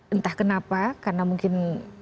entah kenapa karena mungkin